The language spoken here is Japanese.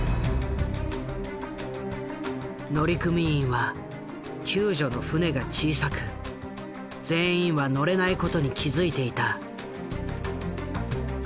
乗組員は救助の船が小さく全員は乗れないことに気付いていた。